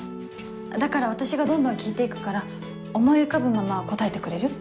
だから私がどんどん聞いて行くから思い浮かぶまま答えてくれる？